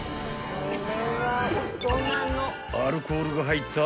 ［アルコールが入った］